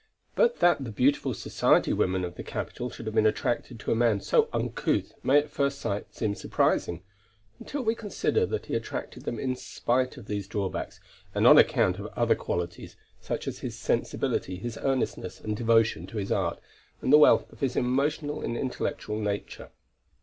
But that the beautiful society women of the capital should have been attracted to a man so uncouth may at first sight seem surprising, until we consider that he attracted them in spite of these drawbacks and on account of other qualities, such as his sensibility, his earnestness and devotion to his art, and the wealth of his emotional and intellectual nature.